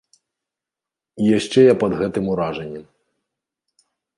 І яшчэ я пад гэтым уражаннем.